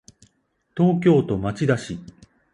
東京都町田市